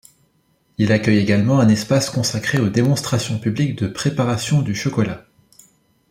Il accueille également un espace consacré aux démonstrations publiques de préparation du chocolat.